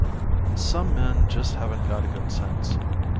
] _Some men just haven't got good sense.